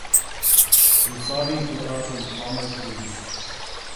Lusardi grew up in Palmers Green.